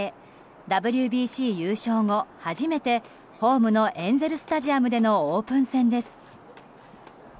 ＷＢＣ優勝後初めてホームのエンゼル・スタジアムでのオープン戦です。